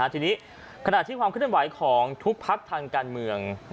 ทีนี้ขณะที่ความเคลื่อนไหวของทุกพักทางการเมือง